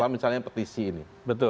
misalnya petisi ini